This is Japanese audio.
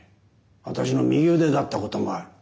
私の右腕だったこともある。